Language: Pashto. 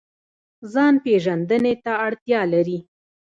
ځان پیژندنې ته اړتیا لري